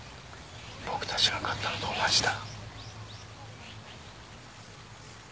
僕たちが買ったのと同じだ。